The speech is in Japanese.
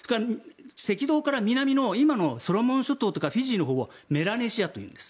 赤道から南の今のソロモン諸島とかフィジーのほうをメラネシアというんです。